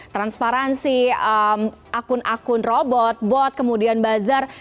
transparansi akun akun robot bot kemudian bazar